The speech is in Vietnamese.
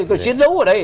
tôi phải chiến đấu ở đây